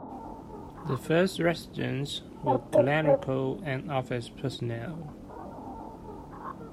The first residents were clerical and office personnel.